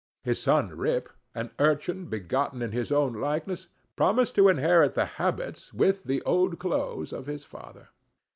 His son Rip, an urchin begotten in his own likeness, promised to inherit the habits, with the old clothes of his father.